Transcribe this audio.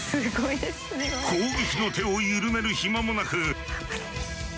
攻撃の手を緩める暇もなく。